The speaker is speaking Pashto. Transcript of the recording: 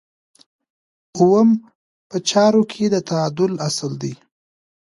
اووم په چارو کې د تعادل اصل دی.